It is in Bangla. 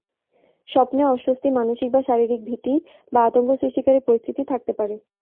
স্বপ্নে অস্বস্তি, মানসিক বা শারীরিক ভীতি বা আতঙ্ক সৃষ্টিকারী পরিস্থিতি থাকতে পারে।